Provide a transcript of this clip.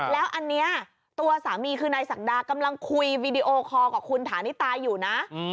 แล้วอันนี้ตัวสามีคือนายศักดากำลังคุยวีดีโอคอลกับคุณฐานิตาอยู่นะ